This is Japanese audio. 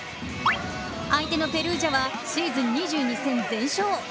相手のペルージャはシーズン２２戦全勝。